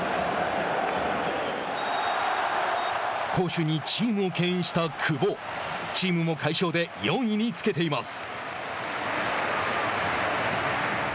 攻守にチームをけん引した久保チームも快勝で４位につけています。